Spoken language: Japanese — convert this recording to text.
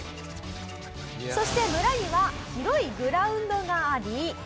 そして村には広いグラウンドがあり。